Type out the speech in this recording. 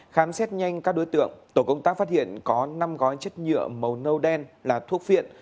khám xét nhanh các đối tượng tổ công tác phát hiện có năm gói chất nhựa màu nâu đen là thuốc viện